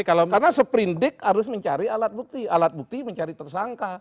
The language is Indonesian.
karena seperindik harus mencari alat bukti alat bukti mencari tersangka